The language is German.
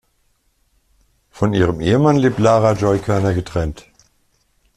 Von ihrem Ehemann lebt Lara Joy Körner getrennt.